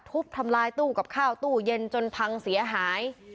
ทุบทำลายตู้กับข้าวตู้เย็นจนพังเสียหาย